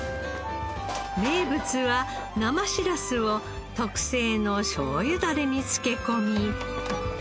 名物は生しらすを特製のしょうゆダレに漬け込み。